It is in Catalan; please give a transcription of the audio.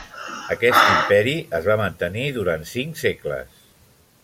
Aquest imperi es va mantenir durant cinc segles.